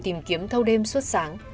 tìm kiếm thâu đêm suốt sáng